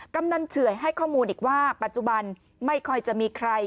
กำนันเฉื่อยให้ข้อมูลอีกว่าปัจจุบันไม่ค่อยจะมีใคร